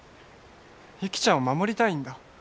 雪ちゃんを守りたいんだ。